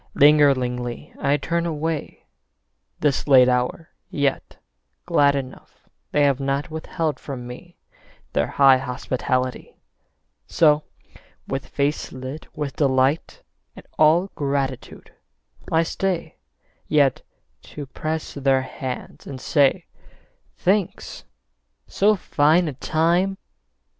Lingeringly I turn away, This late hour, yet glad enough They have not withheld from me Their high hospitality. So, with face lit with delight And all gratitude, I stay Yet to press their hands and say, "Thanks. So fine a time